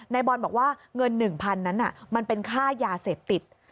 นายบอลบอกว่าเงิน๑๐๐๐นั้นมันเป็นค่ายาเสพติด